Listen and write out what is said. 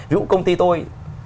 ví dụ công ty tôi